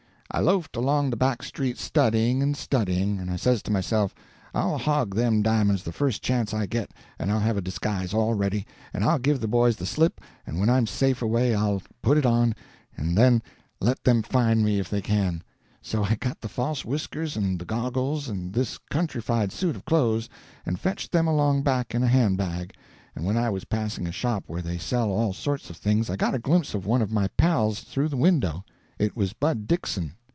I loafed along the back streets studying and studying. And I says to myself, I'll hog them di'monds the first chance I get, and I'll have a disguise all ready, and I'll give the boys the slip, and when I'm safe away I'll put it on, and then let them find me if they can. So I got the false whiskers and the goggles and this countrified suit of clothes, and fetched them along back in a hand bag; and when I was passing a shop where they sell all sorts of things, I got a glimpse of one of my pals through the window. It was Bud Dixon.